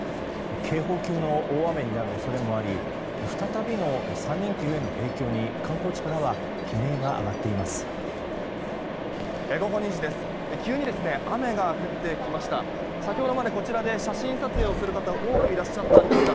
警報級の大雨になる恐れもあり再びの３連休への影響に観光地からは悲鳴が上がっています。